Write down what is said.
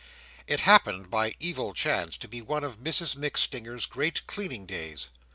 It happened by evil chance to be one of Mrs MacStinger's great cleaning days.